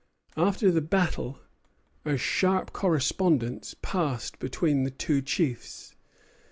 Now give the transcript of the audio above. After the battle a sharp correspondence passed between the two chiefs.